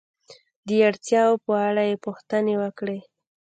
د اړتیاو په اړه یې پوښتنې وکړئ.